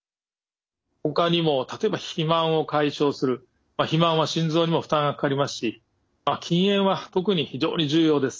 ほかにも例えば肥満を解消する肥満は心臓にも負担がかかりますし禁煙は特に非常に重要です。